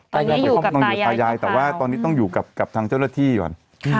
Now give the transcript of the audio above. เกี่ยวข้องอยู่กับตายายแต่ว่าตอนนี้ต้องอยู่กับทางเจ้าหน้าที่ก่อน